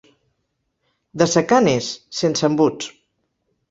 De secà n'és, sense embuts.